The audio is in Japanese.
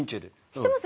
知ってます